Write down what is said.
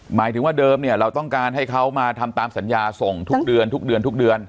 หมายถึงว่าเดิมเนี่ยเราต้องการให้เขามาทำตามสัญญาส่งทุกเดือนทุกเดือนทุกเดือน